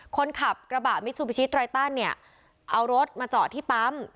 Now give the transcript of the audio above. คนขับกระบะมิซูบิชิไตรตันเนี่ยเอารถมาจอดที่ปั๊ม